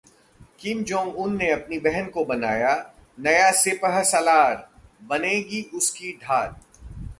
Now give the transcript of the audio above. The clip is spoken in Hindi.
किम जोंग उन ने अपनी बहन को बनाया नया सिपहसालार, बनेगी उसकी ढाल